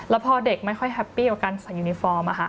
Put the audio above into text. แล้วพอเด็กไม่ค่อยแฮปปี้กับการใส่ยูนิฟอร์ม